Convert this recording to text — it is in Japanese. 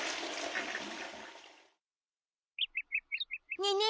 ねえねえ